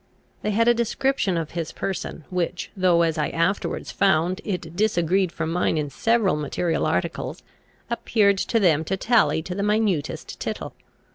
They had a description of his person, which, though, as I afterwards found, it disagreed from mine in several material articles, appeared to them to tally to the minutest tittle.